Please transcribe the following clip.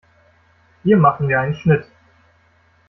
Hier machen wir einen Schnitt.